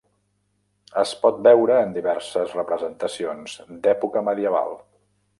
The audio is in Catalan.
Es pot veure en diverses representacions d'època medieval.